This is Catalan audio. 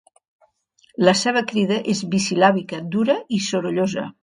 La seva crida és bisil·làbica, dura i sorollosa.